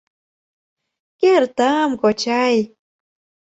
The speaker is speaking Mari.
— Кертам, кочай.